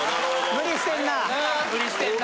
・無理してんな・